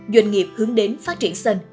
doanh nghiệp hướng đến phát triển sân